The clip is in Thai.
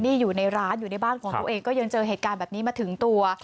นี่อยู่ในร้านอยู่ในบ้านของตัวเองก็ยังเจอเหตุการณ์แบบนี้มาถึงตัว